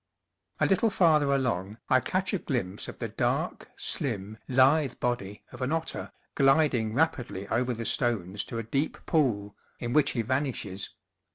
A little farther along I catch a glimpse of the dark, slim, lithe body of an otter, glid ing rapidly over the stones to a deep pool, in which he vanishes.